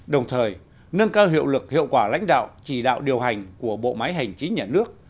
đồng thời nâng cao hiệu lực hiệu quả lãnh đạo chỉ đạo điều hành của bộ máy hành chính nhà nước